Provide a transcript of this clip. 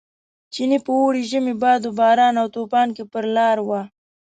چیني په اوړي، ژمي، باد و باران او توپان کې پر لار و.